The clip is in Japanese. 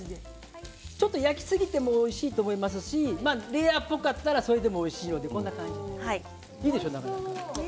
ちょっと焼きすぎてもおいしいと思いますしレアっぽかったらそれでもおいしいのでこんな感じなかなかいいでしょう。